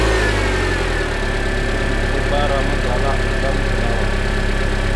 Eɗʉkabara magala azlam a gənow a.